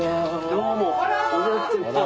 どうも。